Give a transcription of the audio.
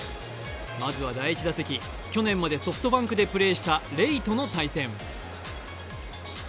まずは第１打席、去年までソフトバンクでプレーしたレイとの対戦。